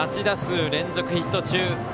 ８打数連続ヒット中。